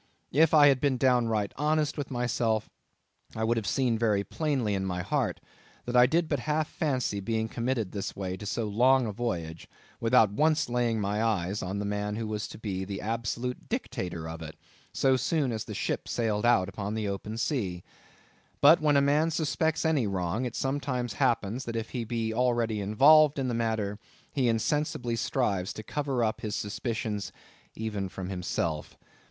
If I had been downright honest with myself, I would have seen very plainly in my heart that I did but half fancy being committed this way to so long a voyage, without once laying my eyes on the man who was to be the absolute dictator of it, so soon as the ship sailed out upon the open sea. But when a man suspects any wrong, it sometimes happens that if he be already involved in the matter, he insensibly strives to cover up his suspicions even from himself.